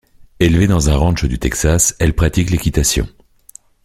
Élevée dans un ranch du Texas, elle pratique l'équitation.